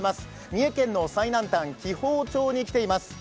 三重県の最南端、紀宝町に来ています。